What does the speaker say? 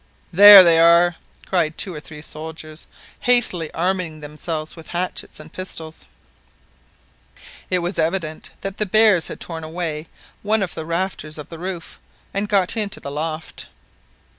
"There they are!" cried two or three soldiers, hastily arming themselves with hatchets and pistols. It was evident that the bears had torn away one of the rafters of the roof, and got into the loft.